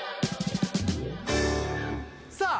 さあ